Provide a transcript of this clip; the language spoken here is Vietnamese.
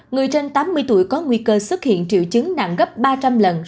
người trên tám mươi tuổi có nguy cơ xuất hiện triệu chứng nặng gấp ba trăm linh lần